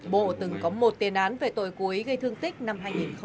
bộ từng có một tiền án về tội cúi gây thương tích năm hai nghìn một mươi năm